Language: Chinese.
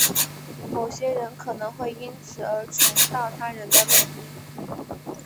某些人可能会因此而窃盗他人的内衣。